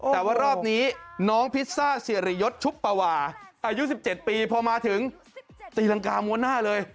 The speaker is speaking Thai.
แต่ว่ารอบนี้น้องพิซซ่าสิริยศชุบปวาอายุ๑๗ปีพอมาถึงตีรังกามัวหน้าเลย